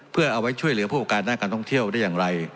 เพื่อเอาไว้ช่วยเหลือผู้ประการด้านการท่องเที่ยวได้อย่างไร